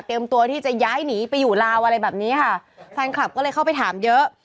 ตัวที่จะย้ายหนีไปอยู่ลาวอะไรแบบนี้ค่ะแฟนคลับก็เลยเข้าไปถามเยอะ